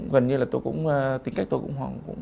gần như là tôi cũng tính cách tôi cũng